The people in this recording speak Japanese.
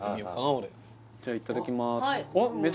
俺じゃあいただきます